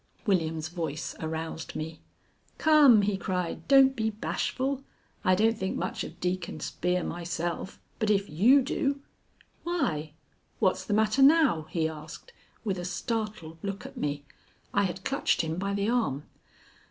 William's voice aroused me. "Come!" he cried. "Don't be bashful. I don't think much of Deacon Spear myself, but if you do Why, what's the matter now?" he asked, with a startled look at me. I had clutched him by the arm.